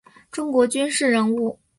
中国军事人物。